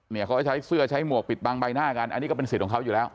เขาก็ใช้เสื้อใช้หมวกปิดบังใบหน้ากันอันนี้ก็เป็นสิทธิ์ของเขาอยู่แล้ว